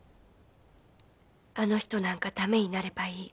あの人なんか駄目になればいい。